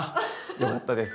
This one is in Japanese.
よかったです。